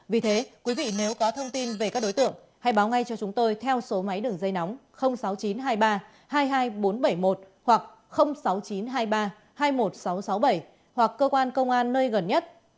vì thế quý vị nếu có thông tin về các đối tượng hãy báo ngay cho chúng tôi theo số máy đường dây nóng sáu mươi chín hai mươi ba hai mươi hai nghìn bốn trăm bảy mươi một hoặc sáu mươi chín hai mươi ba hai mươi một nghìn sáu trăm sáu mươi bảy hoặc cơ quan công an nơi gần nhất